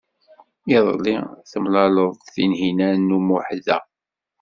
Iḍelli, temlaleḍ-d Tinhinan u Muḥ da.